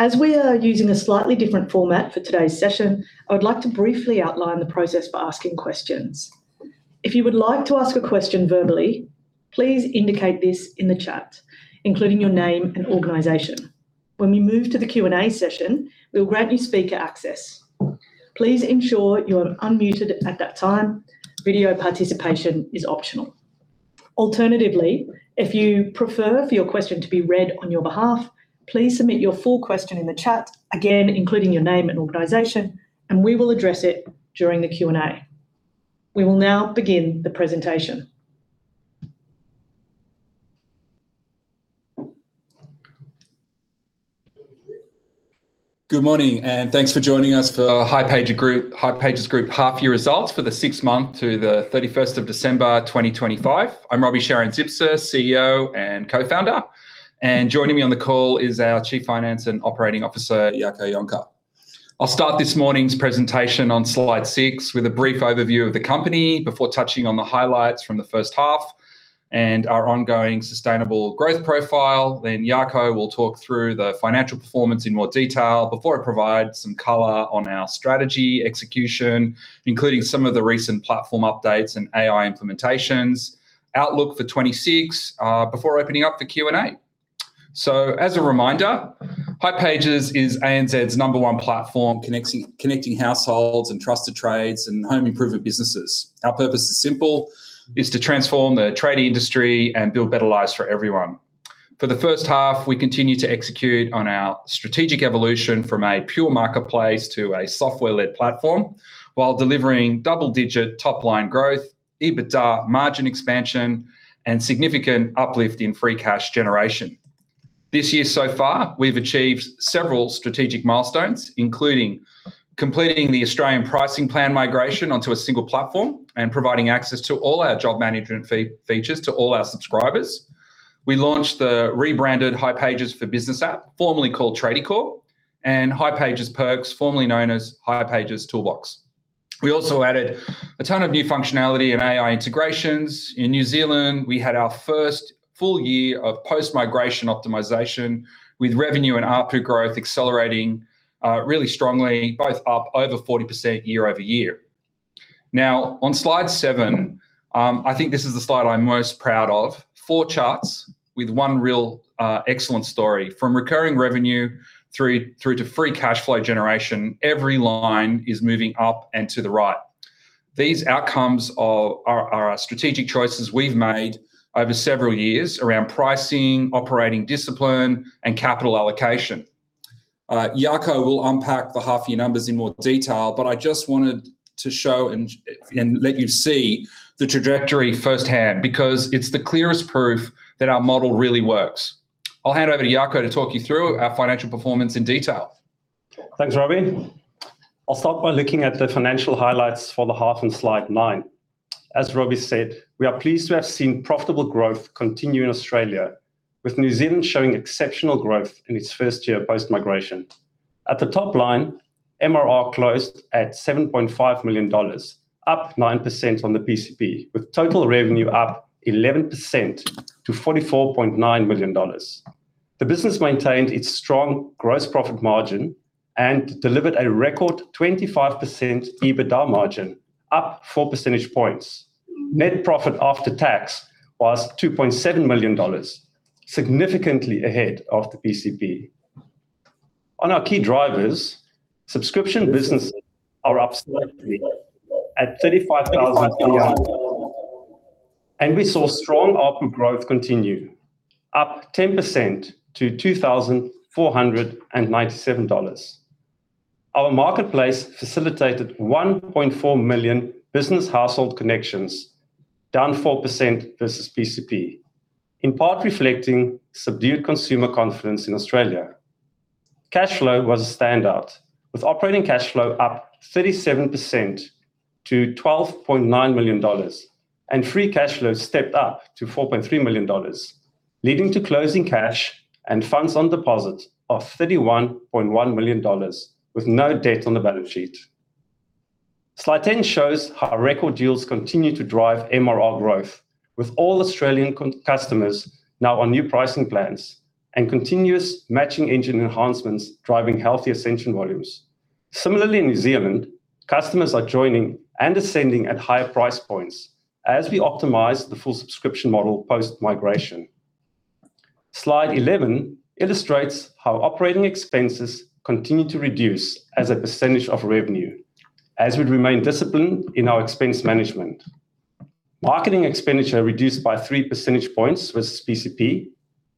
As we are using a slightly different format for today's session, I would like to briefly outline the process for asking questions. If you would like to ask a question verbally, please indicate this in the chat, including your name and organization. When we move to the Q&A session, we'll grant you speaker access. Please ensure you're unmuted at that time. Video participation is optional. Alternatively, if you prefer for your question to be read on your behalf, please submit your full question in the chat, again, including your name and organization, and we will address it during the Q&A. We will now begin the presentation. Good morning, and thanks for joining us for hipages Group, hipages Group half-year results for the six months to the December 31, 2025. I'm Roby Sharon-Zipser, CEO and co-founder, and joining me on the call is our Chief Finance and Operating Officer, Jaco Jonker. I'll start this morning's presentation on slide six with a brief overview of the company before touching on the highlights from the first half and our ongoing sustainable growth profile. Jaco will talk through the financial performance in more detail before I provide some color on our strategy, execution, including some of the recent platform updates and AI implementations, outlook for 2026, before opening up the Q&A. As a reminder, hipages is ANZ's number one platform, connecting households and trusted trades and home improvement businesses. Our purpose is simple, is to transform the tradie industry and build better lives for everyone. For the first half, we continued to execute on our strategic evolution from a pure marketplace to a software-led platform, while delivering double-digit top-line growth, EBITDA margin expansion, and significant uplift in free cash generation. This year, so far, we've achieved several strategic milestones, including completing the Australian pricing plan migration onto a single platform and providing access to all our job management features to all our subscribers. We launched the rebranded hipages for Business app, formerly called Tradiecore, and hipages Perks, formerly known as hipages Toolbox. We also added a ton of new functionality and AI integrations. In New Zealand, we had our first full year of post-migration optimization, with revenue and ARPU growth accelerating, really strongly, both up over 40% year-over-year. Now, on slide seven, I think this is the slide I'm most proud of. Four charts with one real excellent story. From recurring revenue through to free cash flow generation, every line is moving up and to the right. These outcomes are strategic choices we've made over several years around pricing, operating discipline, and capital allocation. Jaco will unpack the half-year numbers in more detail, but I just wanted to show and let you see the trajectory firsthand, because it's the clearest proof that our model really works. I'll hand over to Jaco to talk you through our financial performance in detail. Thanks, Roby. I'll start by looking at the financial highlights for the half on slide nine. As Roby said, we are pleased to have seen profitable growth continue in Australia, with New Zealand showing exceptional growth in its first year of post-migration. At the top line, MRR closed at 7.5 million dollars, up 9% on the PCP, with total revenue up 11% to 44.9 million dollars. The business maintained its strong gross profit margin and delivered a record 25% EBITDA margin, up 4 percentage points. Net profit after tax was 2.7 million dollars, significantly ahead of the PCP. On our key drivers, subscription businesses are up slightly at 35,000, and we saw strong ARPU growth continue, up 10% to 2,497 dollars. Our marketplace facilitated 1.4 million business household connections, down 4% versus PCP, in part reflecting subdued consumer confidence in Australia. Cash flow was a standout, with operating cash flow up 37% to 12.9 million dollars, and free cash flow stepped up to 4.3 million dollars, leading to closing cash and funds on deposit of 31.1 million dollars, with no debt on the balance sheet. Slide 10 shows how our record deals continue to drive MRR growth, with all Australian customers now on new pricing plans and continuous matching engine enhancements driving healthy ascension volumes. Similarly, in New Zealand, customers are joining and ascending at higher price points as we optimize the full subscription model post-migration. Slide 11 illustrates how operating expenses continue to reduce as a percentage of revenue, as we remain disciplined in our expense management. Marketing expenditure reduced by 3 percentage points versus PCP,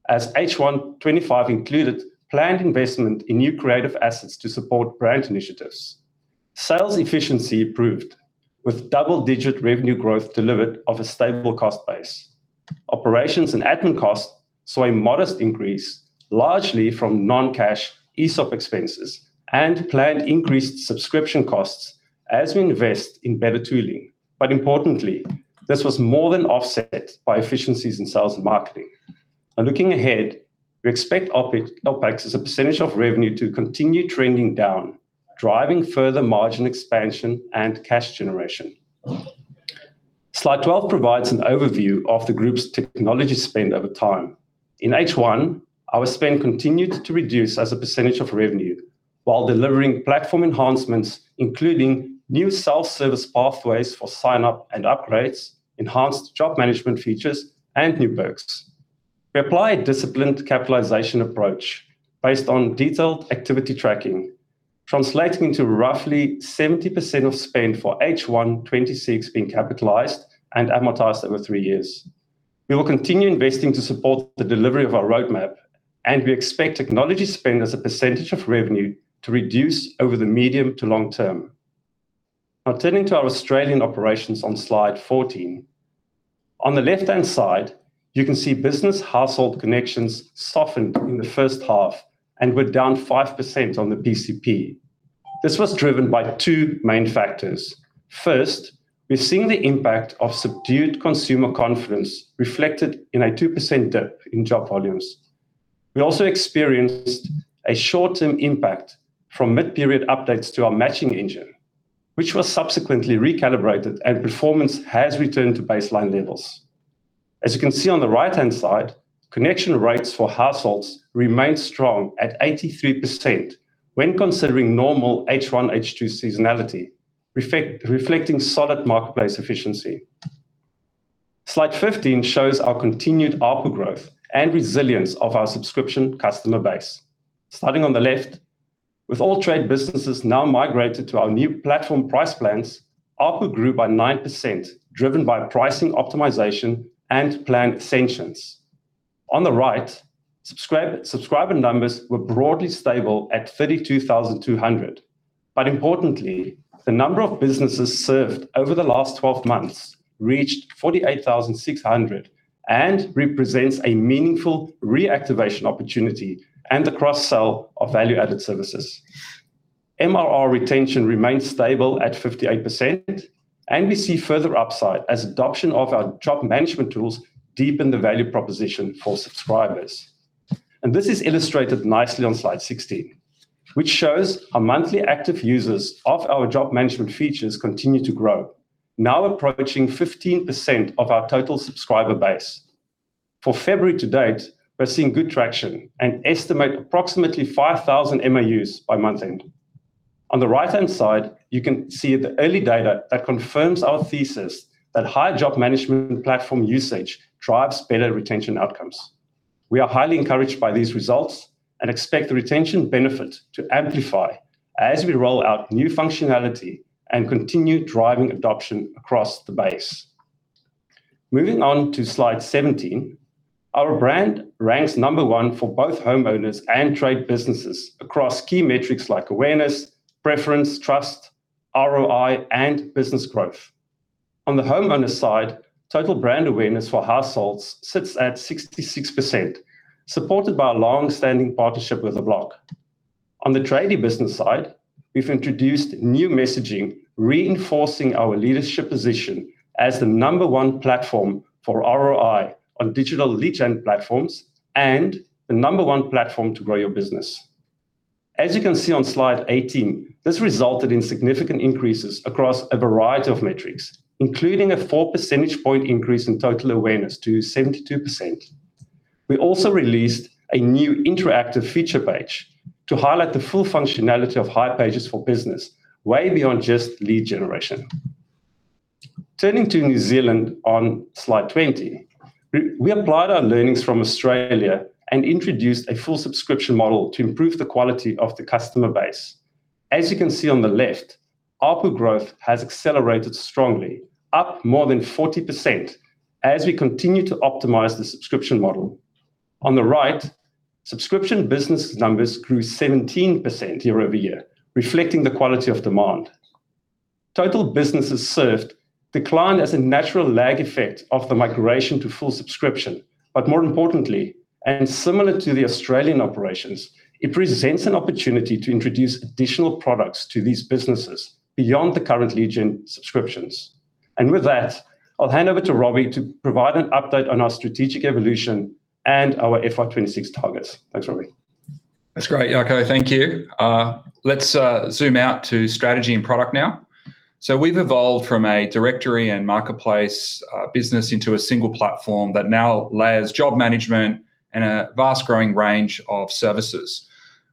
as H1 2025 included planned investment in new creative assets to support brand initiatives. Sales efficiency improved, with double-digit revenue growth delivered off a stable cost base. Operations and admin costs saw a modest increase, largely from non-cash ESOP expenses and planned increased subscription costs as we invest in better tooling. Importantly, this was more than offset by efficiencies in sales and marketing. Looking ahead, we expect OpEx as a percentage of revenue to continue trending down, driving further margin expansion and cash generation. Slide 12 provides an overview of the group's technology spend over time. In H1, our spend continued to reduce as a percentage of revenue while delivering platform enhancements, including new self-service pathways for sign-up and upgrades, enhanced job management features, and new perks. We apply a disciplined capitalization approach based on detailed activity tracking translating to roughly 70% of spend for H1 2026 being capitalized and amortized over three years. We will continue investing to support the delivery of our roadmap. We expect technology spend as a percentage of revenue to reduce over the medium to long term. Now, turning to our Australian operations on slide 14. On the left-hand side, you can see business household connections softened in the first half and were down 5% on the PCP. This was driven by two main factors. First, we're seeing the impact of subdued consumer confidence, reflected in a 2% dip in job volumes. We also experienced a short-term impact from mid-period updates to our matching engine, which was subsequently recalibrated, and performance has returned to baseline levels. As you can see on the right-hand side, connection rates for households remained strong at 83% when considering normal H1, H2 seasonality, reflecting solid marketplace efficiency. Slide 15 shows our continued ARPU growth and resilience of our subscription customer base. Starting on the left, with all trade businesses now migrated to our new platform price plans, ARPU grew by 9%, driven by pricing optimization and planned sanctions. Importantly, subscriber numbers were broadly stable at 32,200, but the number of businesses served over the last 12 months reached 48,600 and represents a meaningful reactivation opportunity and the cross-sell of value-added services. MRR retention remains stable at 58%. We see further upside as adoption of our job management tools deepen the value proposition for subscribers. This is illustrated nicely on slide 16, which shows our monthly active users of our job management features continue to grow, now approaching 15% of our total subscriber base. For February to date, we're seeing good traction and estimate approximately 5,000 MAUs by month-end. On the right-hand side, you can see the early data that confirms our thesis that higher job management platform usage drives better retention outcomes. We are highly encouraged by these results and expect the retention benefit to amplify as we roll out new functionality and continue driving adoption across the base. Moving on to slide 17, our brand ranks number one for both homeowners and trade businesses across key metrics like awareness, preference, trust, ROI, and business growth. On the homeowner side, total brand awareness for households sits at 66%, supported by a long-standing partnership with The Block. On the tradie business side, we've introduced new messaging, reinforcing our leadership position as the number one platform for ROI on digital lead gen platforms, and the number one platform to grow your business. As you can see on slide 18, this resulted in significant increases across a variety of metrics, including a four percentage point increase in total awareness to 72%. We also released a new interactive feature page to highlight the full functionality of hipages for Business, way beyond just lead generation. Turning to New Zealand on slide 20, we applied our learnings from Australia and introduced a full subscription model to improve the quality of the customer base. As you can see on the left, ARPU growth has accelerated strongly, up more than 40%, as we continue to optimize the subscription model. On the right, subscription business numbers grew 17% year-over-year, reflecting the quality of demand. Total businesses served declined as a natural lag effect of the migration to full subscription, more importantly, and similar to the Australian operations, it presents an opportunity to introduce additional products to these businesses beyond the current lead gen subscriptions. With that, I'll hand over to Roby to provide an update on our strategic evolution and our FY 2026 targets. Thanks, Roby. That's great, Jaco. Thank you. Let's zoom out to strategy and product now. We've evolved from a directory and marketplace business into a single platform that now layers job management and a vast growing range of services.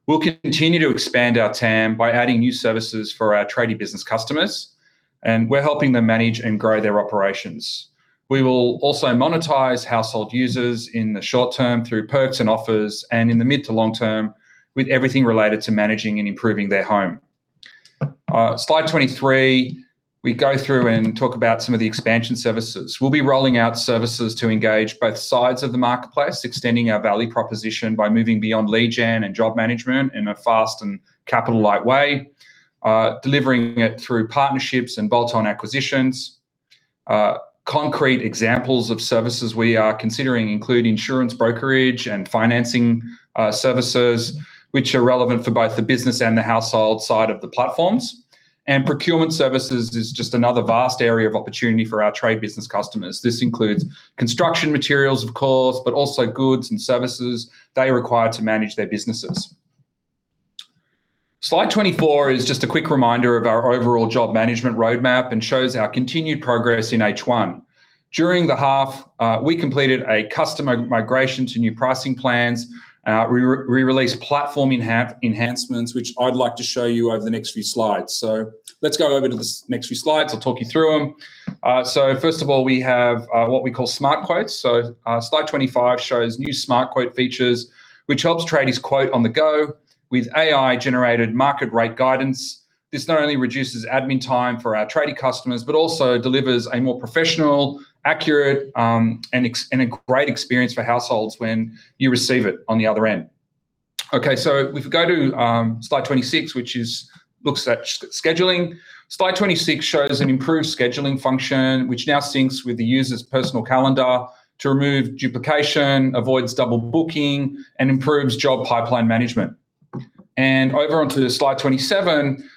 We'll continue to expand our TAM by adding new services for our tradie business customers, and we're helping them manage and grow their operations. We will also monetize household users in the short term through perks and offers, and in the mid to long term with everything related to managing and improving their home. Slide 23, we go through and talk about some of the expansion services. We'll be rolling out services to engage both sides of the marketplace, extending our value proposition by moving beyond lead gen and job management in a fast and capital-light way, delivering it through partnerships and bolt-on acquisitions. Concrete examples of services we are considering include insurance brokerage and financing, services which are relevant for both the business and the household side of the platforms. Procurement services is just another vast area of opportunity for our trade business customers. This includes construction materials, of course, but also goods and services they require to manage their businesses. Slide 24 is just a quick reminder of our overall job management roadmap and shows our continued progress in H1. During the half, we completed a customer migration to new pricing plans. We re-released platform enhancements, which I'd like to show you over the next few slides. Let's go over to the next few slides, I'll talk you through 'em. First of all, we have, what we call Smart Quotes. Slide 25 shows new Smart Quote features which helps tradies quote on the go with AI-generated market rate guidance. This not only reduces admin time for our tradie customers, but also delivers a more professional, accurate, and a great experience for households when you receive it on the other end. If we go to slide 26, which is, looks at scheduling. Slide 26 shows an improved scheduling function, which now syncs with the user's personal calendar to remove duplication, avoids double booking, and improves job pipeline management. Over onto slide 27,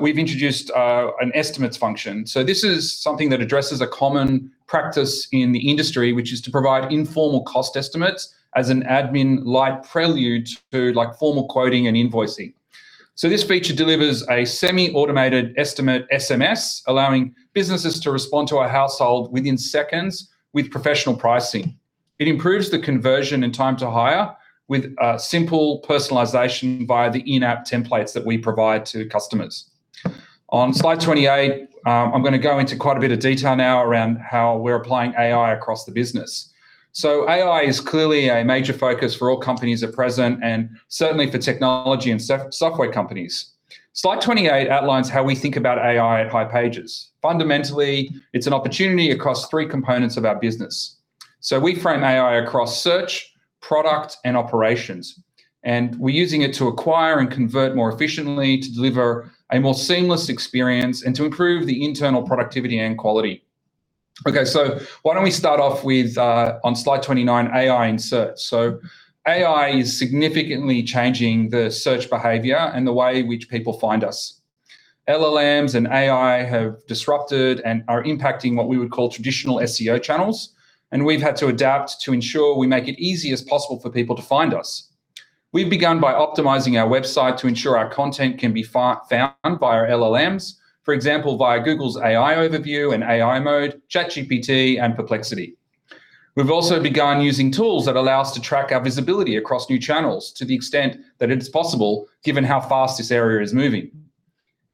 we've introduced an estimates function. This is something that addresses a common practice in the industry, which is to provide informal cost estimates as an admin-light prelude to, like, formal quoting and invoicing. This feature delivers a semi-automated estimate SMS, allowing businesses to respond to a household within seconds with professional pricing. It improves the conversion and time to hire with simple personalization via the in-app templates that we provide to customers. On slide 28, I'm gonna go into quite a bit of detail now around how we're applying AI across the business. AI is clearly a major focus for all companies at present, and certainly for technology and software companies. Slide 28 outlines how we think about AI at hipages. Fundamentally, it's an opportunity across three components of our business. We frame AI across search, product, and operations, and we're using it to acquire and convert more efficiently, to deliver a more seamless experience, and to improve the internal productivity and quality. Why don't we start off with on slide 29, AI in search. AI is significantly changing the search behavior and the way in which people find us. LLMs and AI have disrupted and are impacting what we would call traditional SEO channels, and we've had to adapt to ensure we make it easy as possible for people to find us. We've begun by optimizing our website to ensure our content can be found by our LLMs. For example, via Google's AI Overview and AI Mode, ChatGPT, and Perplexity. We've also begun using tools that allow us to track our visibility across new channels to the extent that it is possible, given how fast this area is moving.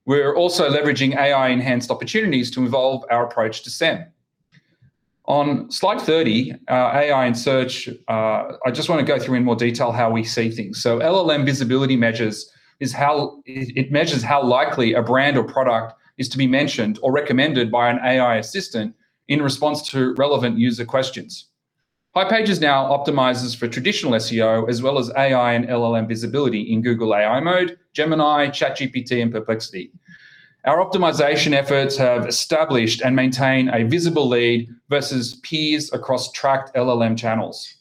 We're also leveraging AI-enhanced opportunities to evolve our approach to SEM. On slide 30, AI in search, I just wanna go through in more detail how we see things. LLM visibility measures is how it measures how likely a brand or product is to be mentioned or recommended by an AI assistant in response to relevant user questions. hipages now optimizes for traditional SEO, as well as AI and LLM visibility in Google AI Mode, Gemini, ChatGPT, and Perplexity. Our optimization efforts have established and maintain a visible lead versus peers across tracked LLM channels.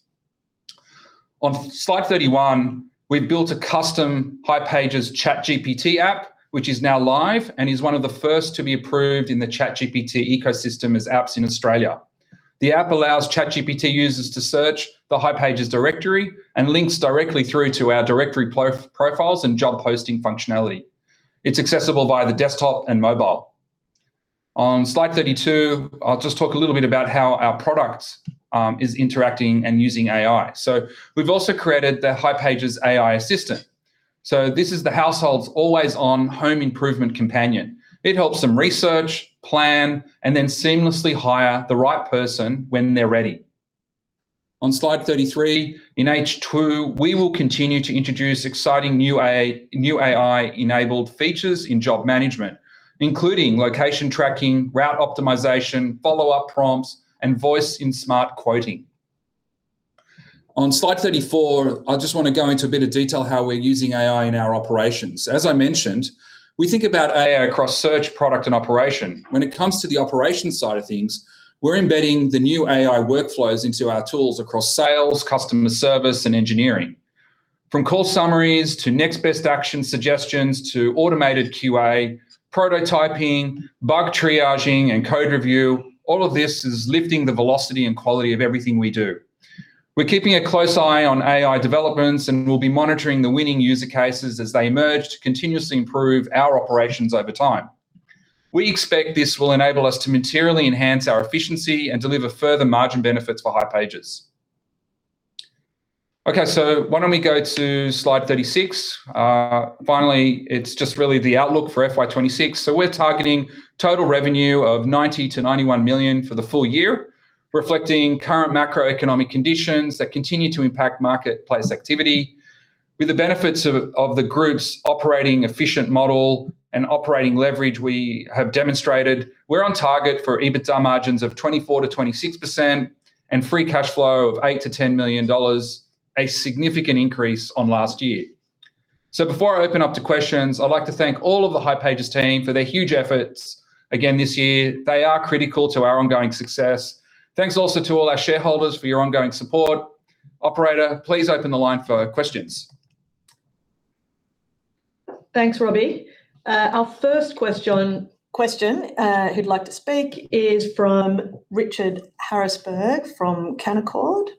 On slide 31, we've built a custom hipages ChatGPT app, which is now live and is 1 of the first to be approved in the ChatGPT ecosystem as apps in Australia. The app allows ChatGPT users to search the hipages directory and links directly through to our directory profiles and job posting functionality. It's accessible via the desktop and mobile. On slide 32, I'll just talk a little bit about how our product is interacting and using AI. We've also created the hipages AI Assistant. This is the household's always-on home improvement companion. It helps them research, plan, and then seamlessly hire the right person when they're ready. On slide 33, in H2, we will continue to introduce exciting new AI-enabled features in job management, including location tracking, route optimization, follow-up prompts, and voice in Smart Quotes. On slide 34, I just wanna go into a bit of detail how we're using AI in our operations. As I mentioned, we think about AI across search, product, and operation. When it comes to the operation side of things, we're embedding the new AI workflows into our tools across sales, customer service, and engineering. From call summaries, to next best action suggestions, to automated QA, prototyping, bug triaging, and code review, all of this is lifting the velocity and quality of everything we do. We're keeping a close eye on AI developments, and we'll be monitoring the winning user cases as they emerge to continuously improve our operations over time. We expect this will enable us to materially enhance our efficiency and deliver further margin benefits for hipages. Okay, why don't we go to slide 36? Finally, it's just really the outlook for FY 2026. We're targeting total revenue of 90 million-91 million for the full year, reflecting current macroeconomic conditions that continue to impact marketplace activity. With the benefits of the group's operating efficient model and operating leverage we have demonstrated, we're on target for EBITDA margins of 24%-26% and free cash flow of 8 million-10 million dollars, a significant increase on last year. Before I open up to questions, I'd like to thank all of the hipages team for their huge efforts again this year. They are critical to our ongoing success. Thanks also to all our shareholders for your ongoing support. Operator, please open the line for questions. Thanks, Roby. Our first question, who'd like to speak is from Richard Harrisberg from Canaccord.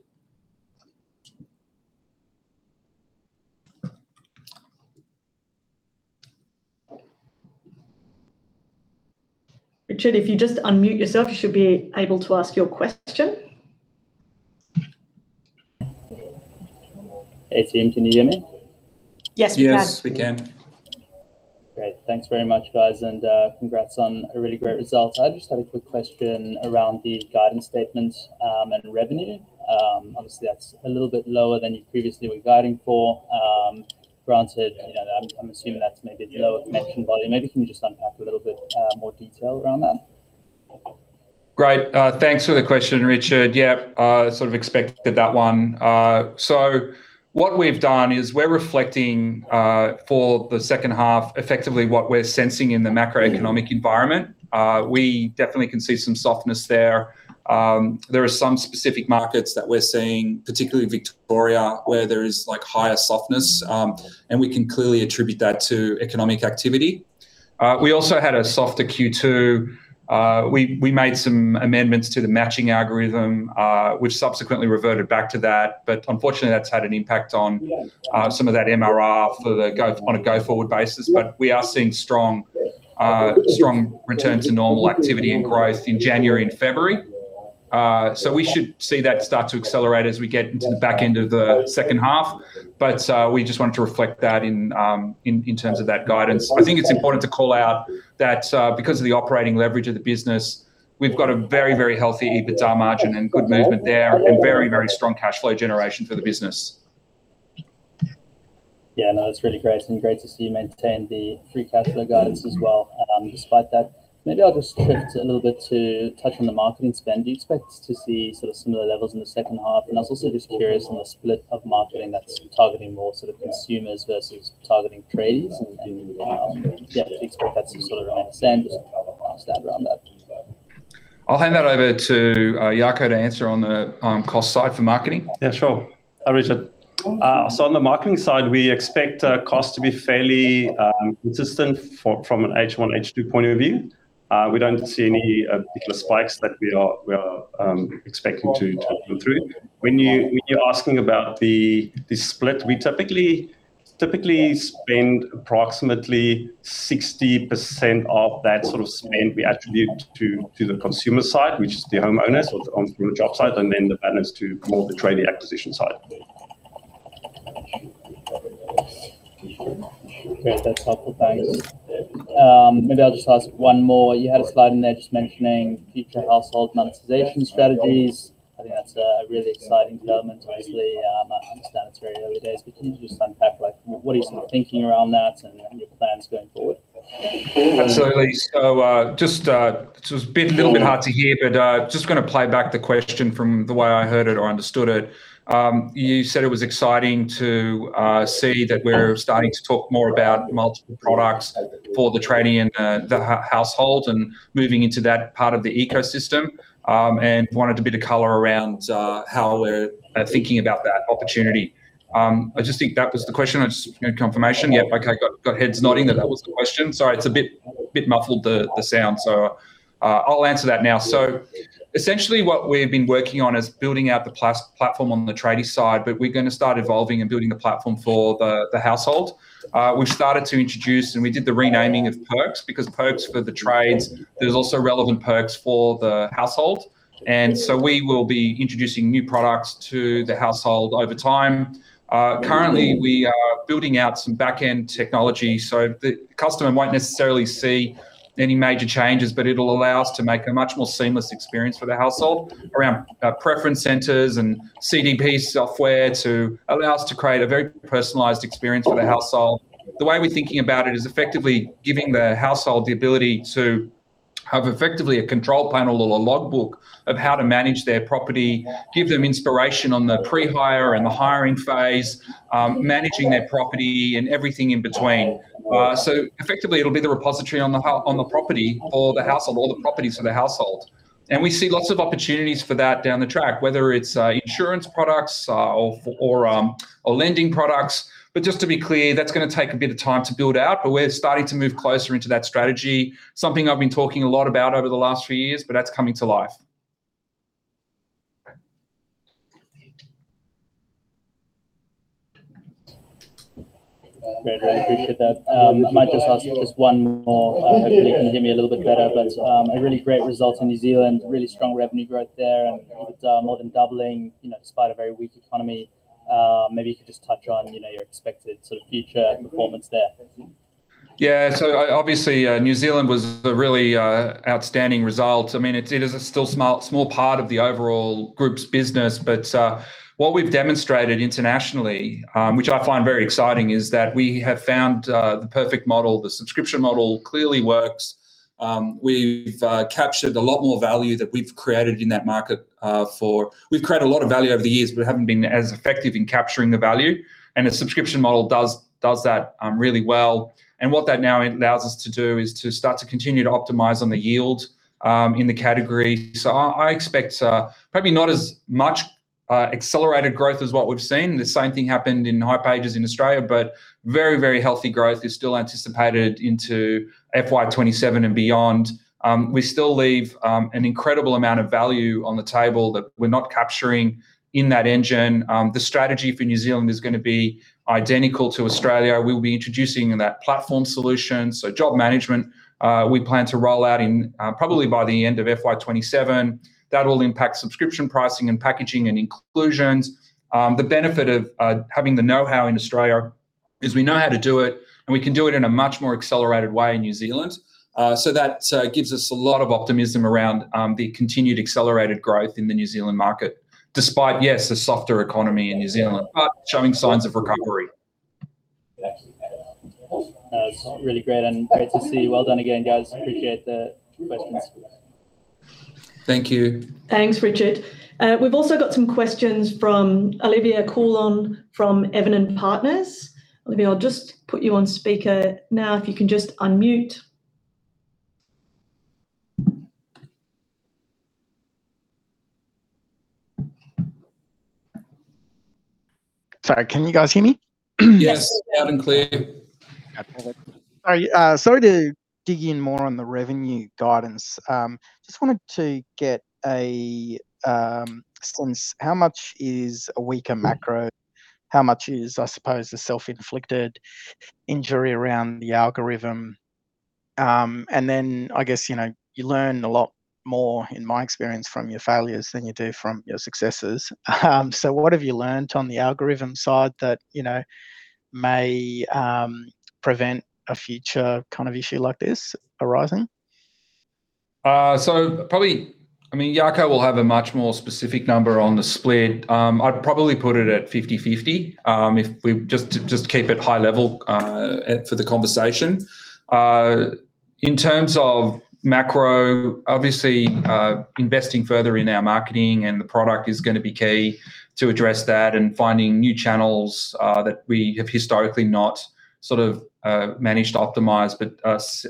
Richard, if you just unmute yourself, you should be able to ask your question. Hey, team, can you hear me? Yes, we can. Yes, we can. Great. Thanks very much, guys, and congrats on a really great result. I just have a quick question around the guidance statement and revenue. Obviously, that's a little bit lower than you previously were guiding for. Granted, you know, I'm assuming that's maybe lower matching volume. Maybe can you just unpack a little bit more detail around that? Great. Thanks for the question, Richard. Yeah, I sort of expected that one. What we've done is we're reflecting for the second half, effectively what we're sensing in the macroeconomic environment. We definitely can see some softness there. There are some specific markets that we're seeing, particularly Victoria, where there is, like, higher softness, and we can clearly attribute that to economic activity. We also had a softer Q2. We, we made some amendments to the matching algorithm, which subsequently reverted back to that, but unfortunately, that's had an impact on some of that MRR for the go-- on a go-forward basis. We are seeing strong, strong return to normal activity and growth in January and February. We should see that start to accelerate as we get into the back end of the second half. We just wanted to reflect that in, in, in terms of that guidance. I think it's important to call out that, because of the operating leverage of the business, we've got a very, very healthy 25% EBITDA margin and good movement there, and very, very strong cash flow generation for the business. Yeah, no, it's really great, and great to see you maintain the free cash flow guidance as well, despite that. Maybe I'll just shift a little bit to touch on the marketing spend. Do you expect to see sort of similar levels in the second half? I was also just curious on the split of marketing that's targeting more sort of consumers versus targeting trades and, and, yeah, if you expect that to sort of understand, just around that. I'll hand that over to Jaco to answer on the on cost side for marketing. Yeah, sure, Richard. On the marketing side, we expect cost to be fairly consistent from an H1, H2 point of view. We don't see any particular spikes that we are expecting to go through. When you're asking about the split, we typically spend approximately 60% of that sort of spend we attribute to the consumer side, which is the homeowners on the job site, and then the balance to more of the tradie acquisition side. Great. That's helpful. Thanks. Maybe I'll just ask one more. You had a slide in there just mentioning future household monetization strategies. I think that's a really exciting development. Obviously, I understand it's very early days, can you just unpack, like, what is your thinking around that and your plans going forward? Absolutely. Just a little bit hard to hear, just gonna play back the question from the way I heard it or understood it. You said it was exciting to see that we're starting to talk more about multiple products for the tradie and the household, and moving into that part of the ecosystem, and wanted a bit of color around how we're thinking about that opportunity. I just think that was the question. Just confirmation. Yep, okay, got heads nodding that that was the question. Sorry, it's a bit muffled, the sound, I'll answer that now. Essentially, what we've been working on is building out the platform on the tradie side, but we're gonna start evolving and building the platform for the household. We've started to introduce, and we did the renaming of Perks, because Perks for the trades, there's also relevant perks for the household, and so we will be introducing new products to the household over time. Currently, we are building out some back-end technology, so the customer won't necessarily see any major changes, but it'll allow us to make a much more seamless experience for the household around preference centers and CDP software to allow us to create a very personalized experience for the household. The way we're thinking about it is effectively giving the household the ability to have effectively a control panel or a logbook of how to manage their property, give them inspiration on the pre-hire and the hiring phase, managing their property, and everything in between. Effectively, it'll be the repository on the property or the household, or the properties for the household. We see lots of opportunities for that down the track, whether it's insurance products, or, or lending products. Just to be clear, that's gonna take a bit of time to build out, but we're starting to move closer into that strategy. Something I've been talking a lot about over the last few years, but that's coming to life. Great. Really appreciate that. I might just ask just one more. Hopefully, you can hear me a little bit better, but, a really great result in New Zealand. Really strong revenue growth there, and more than doubling, you know, despite a very weak economy. Maybe you could just touch on, you know, your expected sort of future performance there. Yeah, obviously, New Zealand was a really outstanding result. I mean, it's, it is a still small, small part of the overall group's business, but what we've demonstrated internationally, which I find very exciting, is that we have found the perfect model. The subscription model clearly works. We've captured a lot more value that we've created in that market. We've created a lot of value over the years, but haven't been as effective in capturing the value, and the subscription model does, does that really well. What that now allows us to do is to start to continue to optimize on the yield in the category. I, I expect probably not as much accelerated growth is what we've seen. The same thing happened in hipages in Australia. Very, very healthy growth is still anticipated into FY 2027 and beyond. We still leave an incredible amount of value on the table that we're not capturing in that engine. The strategy for New Zealand is gonna be identical to Australia. We'll be introducing in that platform solution, so job management, we plan to roll out in, probably by the end of FY 2027. That will impact subscription pricing and packaging and inclusions. The benefit of having the know-how in Australia is we know how to do it, and we can do it in a much more accelerated way in New Zealand. That gives us a lot of optimism around the continued accelerated growth in the New Zealand market, despite, yes, a softer economy in New Zealand, but showing signs of recovery. That's really great and great to see. Well done again, guys. Appreciate the questions. Thank you. Thanks, Richard. We've also got some questions from Olivia Coulon, from Evans and Partners. Olivia, I'll just put you on speaker now, if you can just unmute. Sorry, can you guys hear me? Yes. Loud and clear. Okay. Sorry, to dig in more on the revenue guidance. Just wanted to get a sense. How much is a weaker macro? How much is, I suppose, a self-inflicted injury around the algorithm? I guess, you know, you learn a lot more, in my experience, from your failures than you do from your successes. What have you learned on the algorithm side that, you know, may prevent a future kind of issue like this arising? Probably, I mean, Jaco will have a much more specific number on the split. I'd probably put it at 50/50 if we just keep it high level for the conversation. In terms of macro, obviously, investing further in our marketing and the product is gonna be key to address that, finding new channels that we have historically not sort of managed to optimize.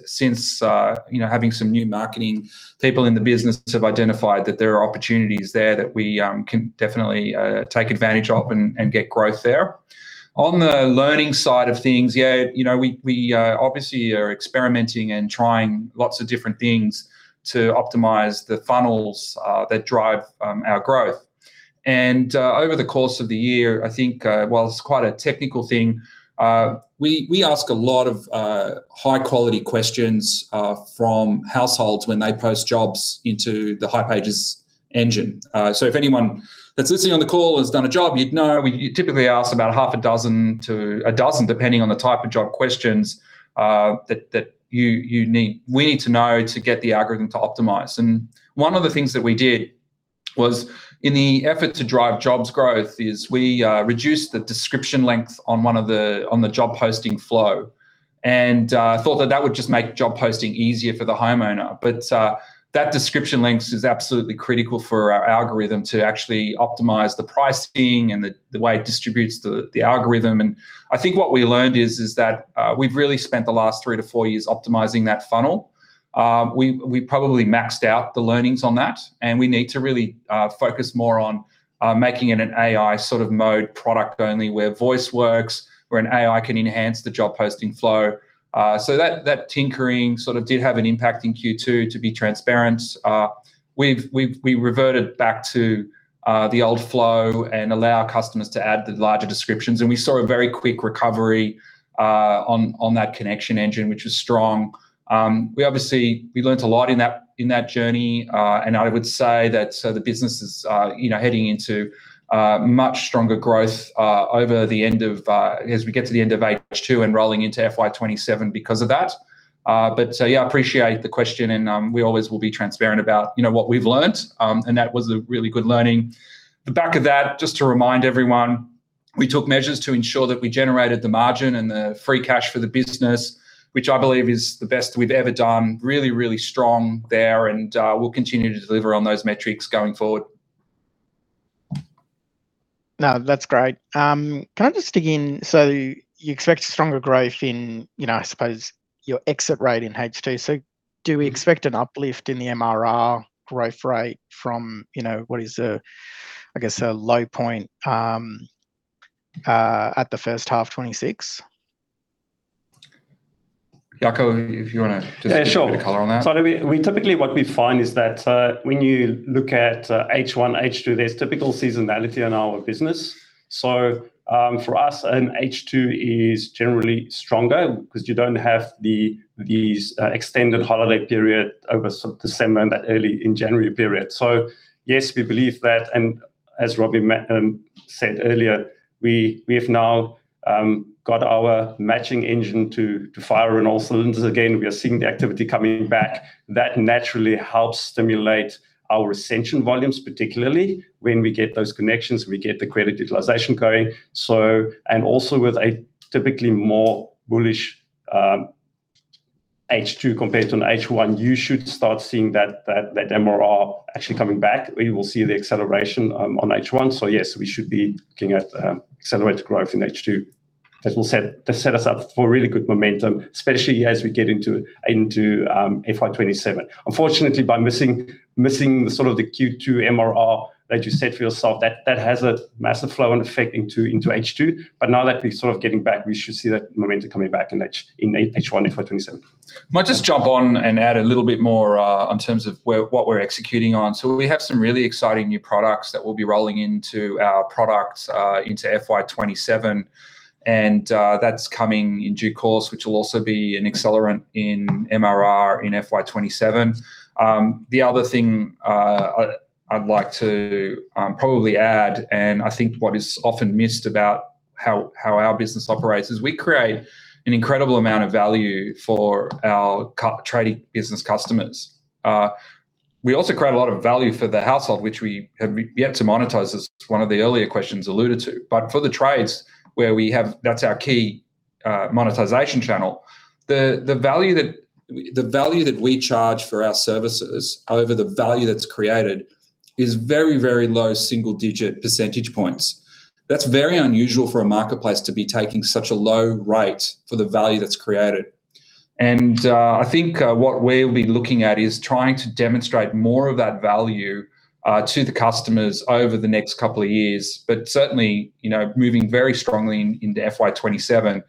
Since, you know, having some new marketing people in the business have identified that there are opportunities there that we can definitely take advantage of and get growth there. On the learning side of things, yeah, you know, we obviously are experimenting and trying lots of different things to optimize the funnels that drive our growth. Over the course of the year, I think, while it's quite a technical thing, we, we ask a lot of high quality questions from households when they post jobs into the hipages engine. So if anyone that's listening on the call has done a job, you'd know you typically ask about half a dozen to a dozen, depending on the type of job questions, that, that you, you need we need to know to get the algorithm to optimize. One of the things that we did was, in the effort to drive jobs growth, is we reduced the description length on one of the, on the job posting flow, and thought that that would just make job posting easier for the homeowner. That description length is absolutely critical for our algorithm to actually optimize the pricing and the way it distributes the algorithm. I think what we learned is that we've really spent the last three-four years optimizing that funnel. We probably maxed out the learnings on that, and we need to really focus more on making it an AI Mode, product only, where voice works, where an AI can enhance the job posting flow. So that, that tinkering sort of did have an impact in Q2, to be transparent. We've reverted back to the old flow and allow our customers to add the larger descriptions, and we saw a very quick recovery on that connection engine, which is strong. We obviously, we learned a lot in that, in that journey, and I would say that the business is, you know, heading into a much stronger growth over the end of as we get to the end of H2 and rolling into FY 2027 because of that. Yeah, I appreciate the question, and we always will be transparent about, you know, what we've learned, and that was a really good learning. The back of that, just to remind everyone, we took measures to ensure that we generated the margin and the free cash for the business, which I believe is the best we've ever done. Really, really strong there, and we'll continue to deliver on those metrics going forward. Now, that's great. Can I just dig in? So you expect stronger growth in, you know, I suppose, your exit rate in H2. So do we expect an uplift in the MRR growth rate from, you know, what is a, I guess, a low point, at H1 2026? Jaco, if you wanna just- Yeah, sure. Put a color on that. We typically, what we find is that when you look at H1, H2, there's typical seasonality in our business. For us, H2 is generally stronger because you don't have the extended holiday period over December and that early in January period. Yes, we believe that, and as Roby Sharon-Zipser said earlier, we have now got our matching engine to fire on all cylinders. Again, we are seeing the activity coming back. That naturally helps stimulate our retention volumes, particularly when we get those connections, we get the credit utilization going. And also with a typically more bullish H2 compared to an H1, you should start seeing that MRR actually coming back, where you will see the acceleration on H1. Yes, we should be looking at accelerated growth in H2. That will set, that set us up for really good momentum, especially as we get into, into FY 2027. Unfortunately, by missing, missing the sort of the Q2 MRR that you set for yourself, that, that has a massive flow and effect into, into H2. Now that we're sort of getting back, we should see that momentum coming back in H- in H1 FY 2027. I might just jump on and add a little bit more on terms of what we're executing on. We have some really exciting new products that we'll be rolling into our products into FY 2027, that's coming in due course, which will also be an accelerant in MRR in FY 2027. The other thing I'd like to probably add, and I think what is often missed about how, how our business operates, is we create an incredible amount of value for our tradie business customers. We also create a lot of value for the household, which we have yet to monetize, as one of the earlier questions alluded to. For the tradies, where we have-- that's our key monetization channel, the value that we charge for our services over the value that's created is very, very low single-digit percentage points. That's very unusual for a marketplace to be taking such a low rate for the value that's created. I think what we'll be looking at is trying to demonstrate more of that value to the customers over the next couple of years, but certainly, you know, moving very strongly into FY 2027.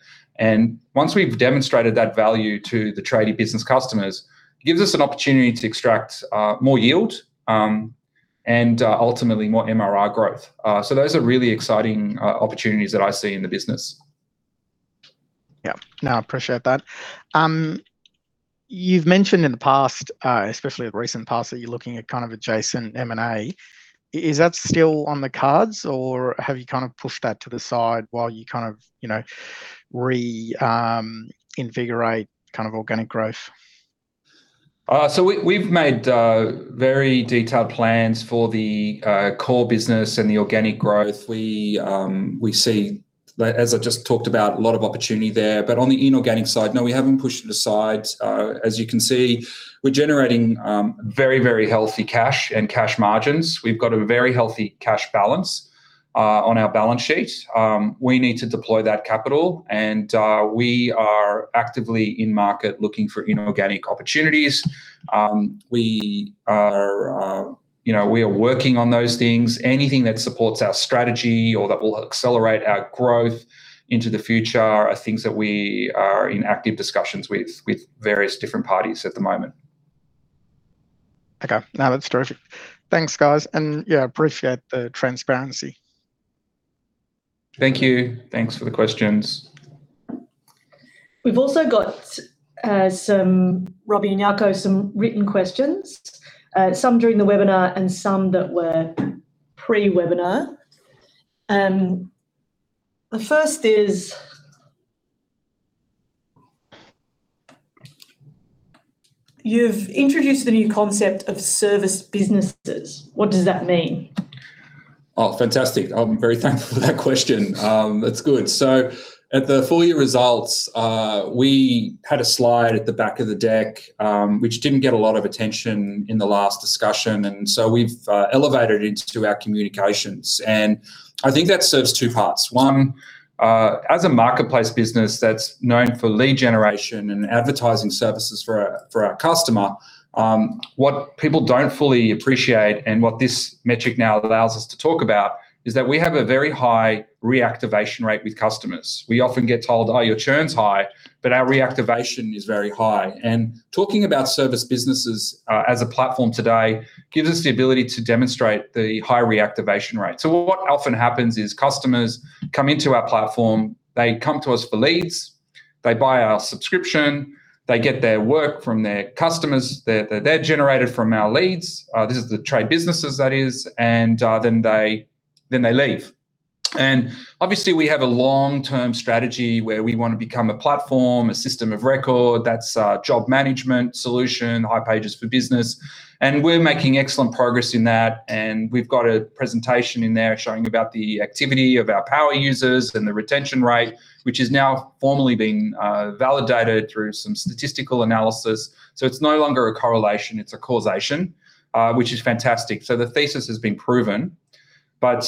Once we've demonstrated that value to the tradie business customers, it gives us an opportunity to extract more yield, and ultimately, more MRR growth. Those are really exciting opportunities that I see in the business. Yeah. No, I appreciate that. You've mentioned in the past, especially the recent past, that you're looking at kind of adjacent M&A. Is that still on the cards, or have you kind of pushed that to the side while you kind of, you know, invigorate kind of organic growth? We, we've made, very detailed plans for the, core business and the organic growth. We, we see, as I've just talked about, a lot of opportunity there. On the inorganic side, no, we haven't pushed it aside. As you can see, we're generating, very, very healthy cash and cash margins. We've got a very healthy cash balance, on our balance sheet. We need to deploy that capital, and, we are actively in market looking for inorganic opportunities. We are, you know, we are working on those things. Anything that supports our strategy or that will accelerate our growth into the future are things that we are in active discussions with, with various different parties at the moment. Okay. No, that's terrific. Thanks, guys. Yeah, appreciate the transparency. Thank you. Thanks for the questions. We've also got, Roby and Jaco, some written questions, some during the webinar and some that were pre-webinar. The first is, "You've introduced the new concept of service businesses. What does that mean?". Oh, fantastic. I'm very thankful for that question. That's good. At the full year results, we had a slide at the back of the deck, which didn't get a lot of attention in the last discussion, and so we've elevated it into our communications, and I think that serves two parts. One, as a marketplace business that's known for lead generation and advertising services for our, for our customer, what people don't fully appreciate and what this metric now allows us to talk about is that we have a very high reactivation rate with customers. We often get told, "Oh, your churn's high," but our reactivation is very high. Talking about service businesses, as a platform today gives us the ability to demonstrate the high reactivation rate. What often happens is customers come into our platform, they come to us for leads, they buy our subscription, they get their work from their customers that, that they're generated from our leads, this is the trade businesses, that is, and then they, then they leave. Obviously, we have a long-term strategy where we want to become a platform, a system of record, that's job management solution, hipages for Business, and we're making excellent progress in that, and we've got a presentation in there showing about the activity of our power users and the retention rate, which is now formally being validated through some statistical analysis. It's no longer a correlation, it's a causation, which is fantastic. The thesis has been proven, but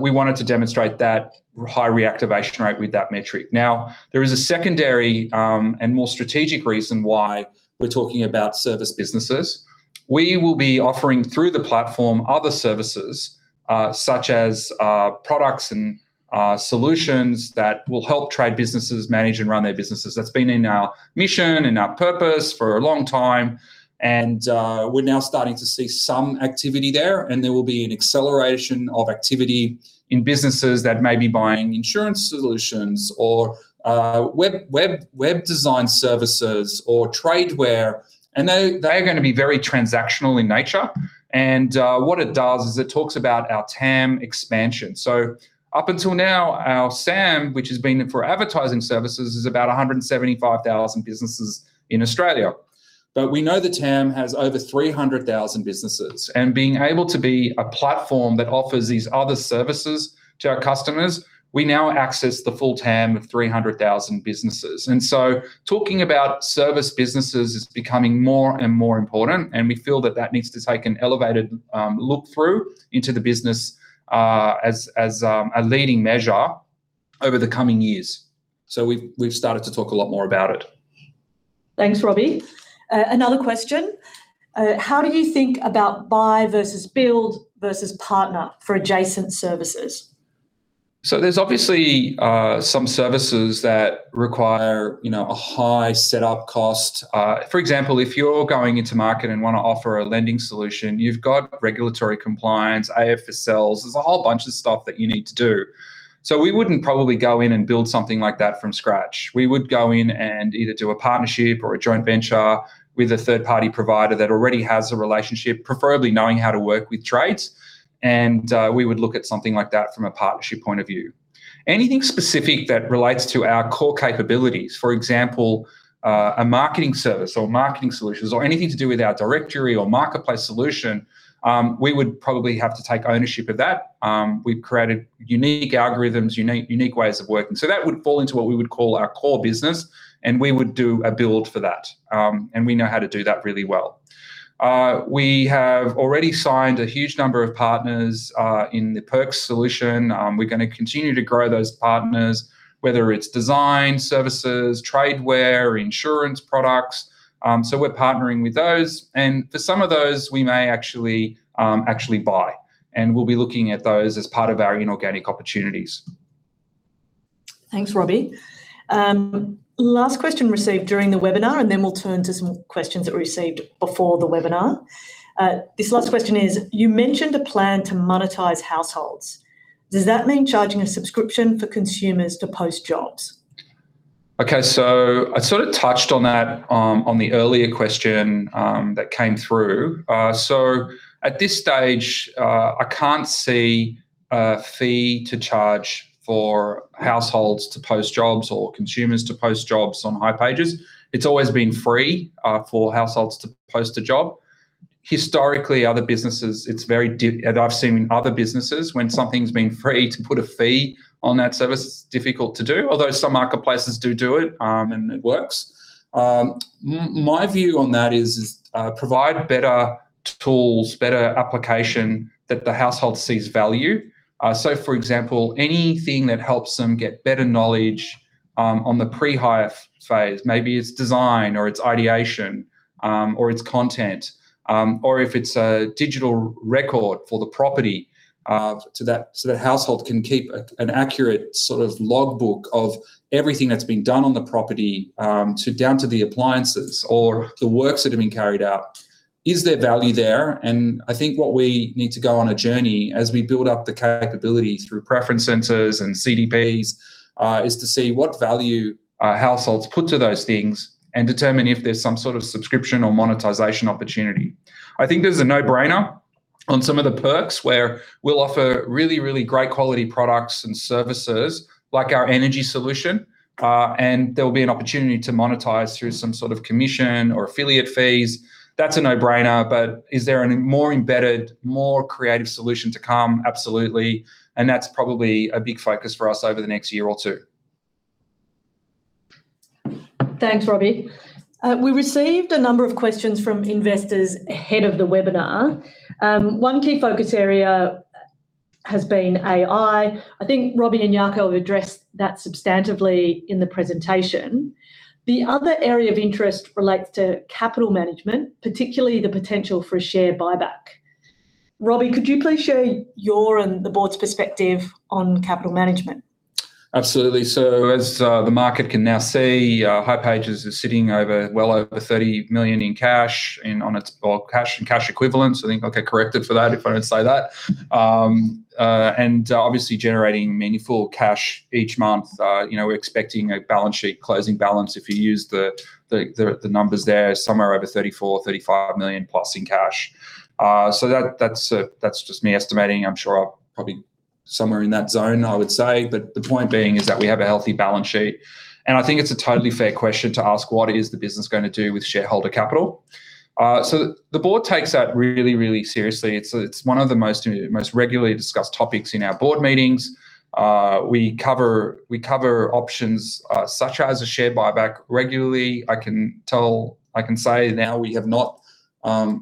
we wanted to demonstrate that high reactivation rate with that metric. Now, there is a secondary, and more strategic reason why we're talking about service businesses. We will be offering, through the platform, other services, such as products and solutions that will help trade businesses manage and run their businesses. That's been in our mission and our purpose for a long time, and we're now starting to see some activity there, and there will be an acceleration of activity in businesses that may be buying insurance solutions or web, web, web design services or Tradeware, and they, they are gonna be very transactional in nature, and what it does is it talks about our TAM expansion. Up until now, our SAM, which has been for advertising services, is about 175,000 businesses in Australia, but we know that TAM has over 300,000 businesses. Being able to be a platform that offers these other services to our customers, we now access the full TAM of 300,000 businesses. Talking about service businesses is becoming more and more important, and we feel that that needs to take an elevated look through into the business as a leading measure over the coming years. We've started to talk a lot more about it. Thanks, Roby. Another question, "how do you think about buy versus build versus partner for adjacent services?". There's obviously some services that require, you know, a high setup cost. For example, if you're going into market and wanna offer a lending solution, you've got regulatory compliance, AFS, there's a whole bunch of stuff that you need to do. We wouldn't probably go in and build something like that from scratch. We would go in and either do a partnership or a joint venture with a third-party provider that already has a relationship, preferably knowing how to work with trades, and we would look at something like that from a partnership point of view. Anything specific that relates to our core capabilities, for example, a marketing service or marketing solutions, or anything to do with our directory or marketplace solution, we would probably have to take ownership of that. We've created unique algorithms, unique, unique ways of working, so that would fall into what we would call our core business, and we would do a build for that. We know how to do that really well. We have already signed a huge number of partners in the Perks solution. We're gonna continue to grow those partners, whether it's design, services, Tradeware, insurance products. We're partnering with those, and for some of those, we may actually, actually buy, and we'll be looking at those as part of our inorganic opportunities. Thanks, Roby. Last question received during the webinar, and then we'll turn to some questions that were received before the webinar. This last question is, "you mentioned a plan to monetize households. Does that mean charging a subscription for consumers to post jobs?". Okay, I sort of touched on that on the earlier question that came through. At this stage, I can't see a fee to charge for households to post jobs or consumers to post jobs on hipages. It's always been free for households to post a job. Historically, other businesses, it's very dif... and I've seen in other businesses, when something's been free, to put a fee on that service is difficult to do, although some marketplaces do do it, and it works. My view on that is, is, provide better tools, better application that the household sees value. So for example, anything that helps them get better knowledge on the pre-hire phase, maybe it's design or it's ideation, or it's content, or if it's a digital record for the property, so that, so the household can keep an accurate sort of logbook of everything that's been done on the property, to down to the appliances or the works that have been carried out. Is there value there? I think what we need to go on a journey as we build up the capability through preference centers and CDPs, is to see what value our households put to those things and determine if there's some sort of subscription or monetization opportunity. I think there's a no-brainer on some of the perks, where we'll offer really, really great quality products and services, like our energy solution. There will be an opportunity to monetize through some sort of commission or affiliate fees. That's a no-brainer, but is there any more embedded, more creative solution to come? Absolutely. That's probably a big focus for us over the next year or two. Thanks, Roby. We received a number of questions from investors ahead of the webinar. One key focus area has been AI. I think Roby and Jaco have addressed that substantively in the presentation. The other area of interest relates to capital management, particularly the potential for a share buyback. Roby, could you please share your and the board's perspective on capital management? Absolutely. As the market can now see, hipages is sitting over, well over 30 million in cash and on its... well, cash and cash equivalents, I think. I'll get corrected for that if I don't say that. Obviously generating meaningful cash each month. You know, we're expecting a balance sheet, closing balance, if you use the, the, the, the numbers there, somewhere over 34 million-35 million+ in cash. That, that's just me estimating. I'm sure probably somewhere in that zone, I would say. The point being is that we have a healthy balance sheet, and I think it's a totally fair question to ask: What is the business gonna do with shareholder capital? The board takes that really, really seriously. It's, it's one of the most, most regularly discussed topics in our board meetings. We cover, we cover options, such as a share buyback regularly. I can say now we have not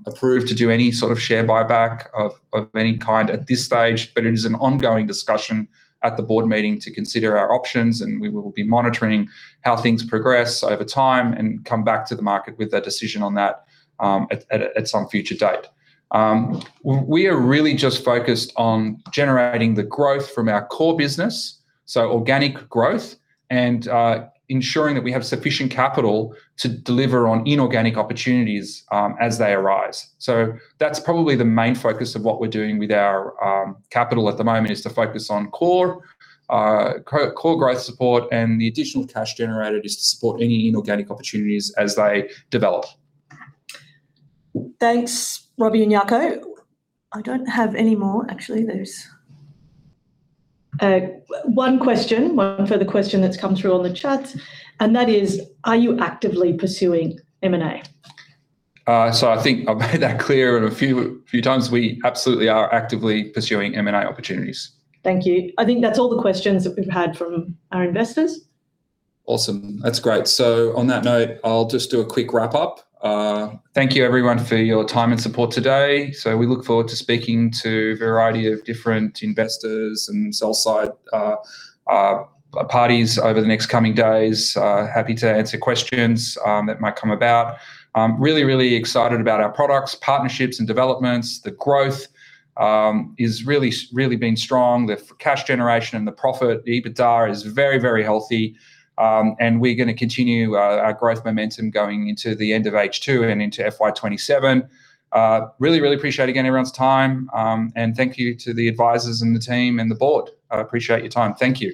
approved to do any sort of share buyback of any kind at this stage, but it is an ongoing discussion at the board meeting to consider our options, and we will be monitoring how things progress over time and come back to the market with a decision on that at some future date. We are really just focused on generating the growth from our core business, so organic growth, and ensuring that we have sufficient capital to deliver on inorganic opportunities as they arise. That's probably the main focus of what we're doing with our capital at the moment, is to focus on core, core, core growth support, and the additional cash generated is to support any inorganic opportunities as they develop. Thanks, Roby and Jaco. I don't have any more... Actually, there's one question, one further question that's come through on the chat, that is, "Are you actively pursuing M&A?". I think I've made that clear in a few, few times. We absolutely are actively pursuing M&A opportunities. Thank you. I think that's all the questions that we've had from our investors. Awesome. That's great. On that note, I'll just do a quick wrap-up. Thank you everyone for your time and support today. We look forward to speaking to a variety of different investors and sell-side parties over the next coming days. Happy to answer questions that might come about. I'm really, really excited about our products, partnerships, and developments. The growth is really been strong. The cash generation and the profit, the EBITDA is very, very healthy, and we're gonna continue our growth momentum going into the end of H2 and into FY 2027. Really, really appreciate, again, everyone's time, and thank you to the advisors and the team and the board. I appreciate your time. Thank you.